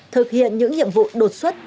thực hiện những nhiệm vụ đột xuất